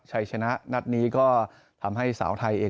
ชัยชนะนัดนี้ก็ทำให้สาวไทยเอง